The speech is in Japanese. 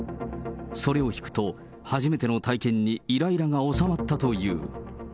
それを引くと、初めての体験にいらいらが収まったという。